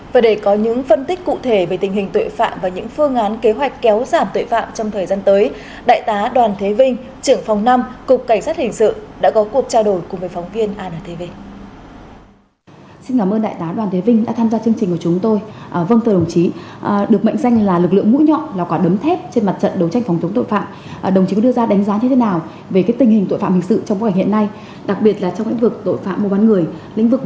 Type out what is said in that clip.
và để có những phân tích cụ thể về tình hình tội phạm và những phương án kế hoạch kéo giảm tội phạm trong thời gian tới đại tá đoàn thế vinh trưởng phòng năm cục cảnh sát hình sự đã có cuộc trao đổi cùng với phóng viên antv